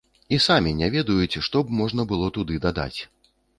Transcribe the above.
І самі не ведаюць, што б можна было туды дадаць.